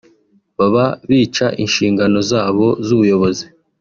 baba bica inshingano zabo z’ubuyobozi